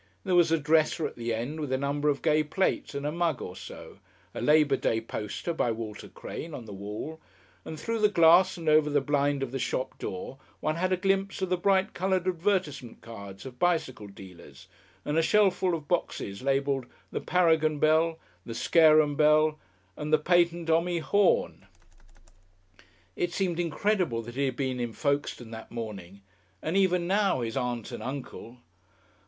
There was a dresser at the end with a number of gay plates and a mug or so, a Labour Day poster, by Walter Crane, on the wall, and through the glass and over the blind of the shop door one had a glimpse of the bright coloured advertisement cards of bicycle dealers, and a shelfful of boxes labelled, The Paragon Bell, The Scarum Bell, and The Patent Omi! Horn.... It seemed incredible that he had been in Folkestone that morning, and even now his Aunt and Uncle